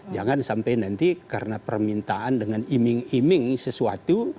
jangan sampai nanti karena permintaan dengan iming iming sesuatu